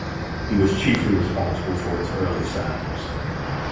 He was chiefly responsible for its early sounds.